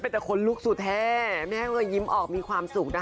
แต่คนลุกสุดแท้แม่ก็เลยยิ้มออกมีความสุขนะคะ